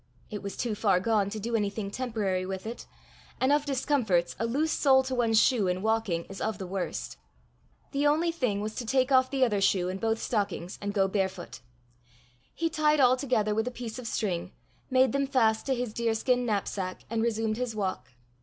It was too far gone to do anything temporary with it; and of discomforts a loose sole to one's shoe in walking is of the worst. The only thing was to take off the other shoe and both stockings and go barefoot. He tied all together with a piece of string, made them fast to his deerskin knapsack, and resumed his walk.